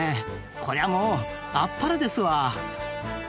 こりゃもうあっぱれですわ。